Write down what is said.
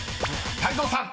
［泰造さん］